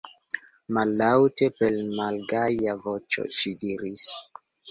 Mallaŭte, per malgaja voĉo ŝi diris: